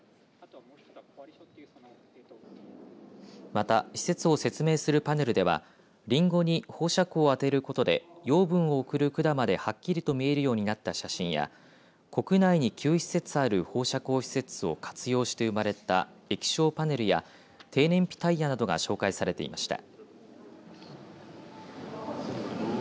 また施設を説明するパネルではりんごに放射光をあてることで養分を送る管まではっきりと見えるようになった写真や国内に９施設ある放射光施設を活用して生まれた液晶パネルや低燃費タイヤなどが紹介されていました。